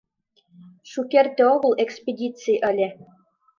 Шукерте огыл экспедиций ыле.